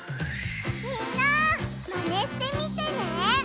みんなマネしてみてね！